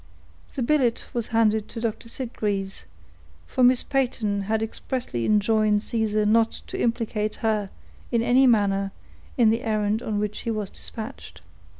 The billet was handed to Dr. Sitgreaves; for Miss Peyton had expressly enjoined Caesar not to implicate her, in any manner, in the errand on which he was dispatched.